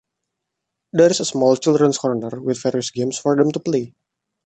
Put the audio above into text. There is a small children's corner with various games for them to play.